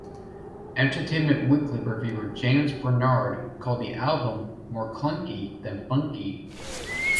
"Entertainment Weekly" reviewer James Bernard called the album "more clunky than funky".